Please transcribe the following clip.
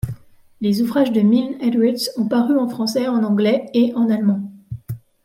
Les ouvrages de Milne Edwards ont paru en français, en anglais et en allemand.